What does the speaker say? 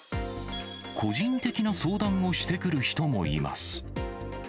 個人的な相談をしてくる人もいます。